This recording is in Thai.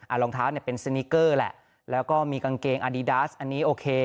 รองเท้าเนี่ยเป็นสนิกเกอร์แหละแล้วก็มีกางเกงอดีดัสอันนี้โอเค